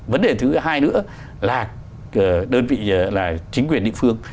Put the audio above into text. vấn đề thứ hai nữa là đơn vị chính quyền địa phương